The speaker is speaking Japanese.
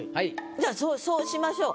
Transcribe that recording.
じゃあそうしましょう。